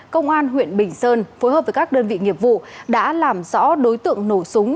công an huyện bình sơn phối hợp với các đơn vị nghiệp vụ đã làm rõ đối tượng nổ súng